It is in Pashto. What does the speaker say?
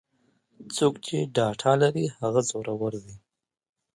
څوک چې ډاټا لري هغه زورور دی.